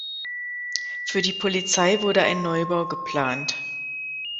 Für die Polizei wurde ein Neubau geplant.